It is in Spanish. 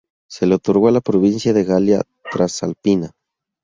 Se le otorgó la provincia de la Galia Transalpina.